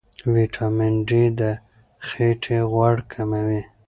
ویټامین ډي د خېټې غوړ کموي.